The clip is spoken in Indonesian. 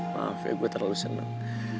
maaf ya gue terlalu seneng